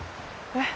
えっ？